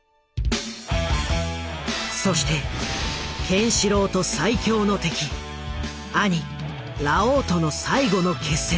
そしてケンシロウと最強の敵兄ラオウとの最後の決戦。